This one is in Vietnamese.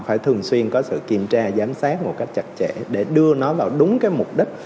phải thường xuyên có sự kiểm tra giám sát một cách chặt chẽ để đưa nó vào đúng cái mục đích